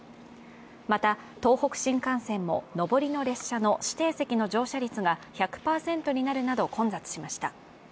また東北新幹線も上りの列車の指定席の乗車率が１００％になるなど混雑しました。